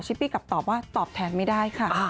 ปี้กลับตอบว่าตอบแทนไม่ได้ค่ะ